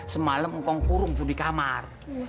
semalam engkong kurung itu di kamar